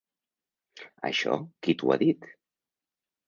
Això qui t'ho ha dit?